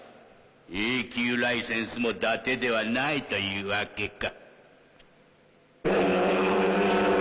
Ａ級ライセンスもダテではないというわけか。